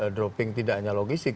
dropping tidak hanya logistik